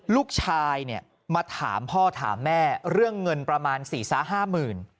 ลูกชายมาถามพ่อถามแม่เรื่องเงินประมาณ๔ซ้าห้าหมื่น